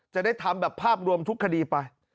จะได้ทำแบบภาพรวมทุกคดีไป